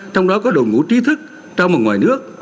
trong đó có đội ngũ trí thức trong và ngoài nước